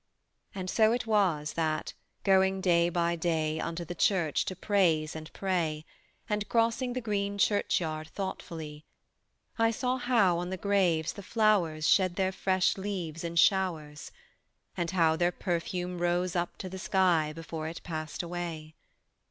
And so it was that, going day by day Unto the church to praise and pray, And crossing the green churchyard thoughtfully, I saw how on the graves the flowers Shed their fresh leaves in showers, And how their perfume rose up to the sky Before it passed away.